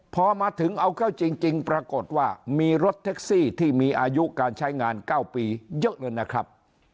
พอมาถึงเอาเข้าจริงปรากฏว่ามีรถแท็กซี่ที่มีอายุการใช้งาน๙ปีเยอะเลยนะครับ